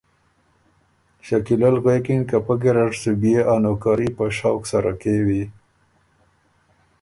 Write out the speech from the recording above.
شکیلۀ ل غوېکِن که پۀ ګیرډ سُو بيې ا نوکري په شوق سره کېوی